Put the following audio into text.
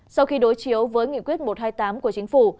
sau khi đối chiếu với nghị quyết một trăm hai mươi tám của chính phủ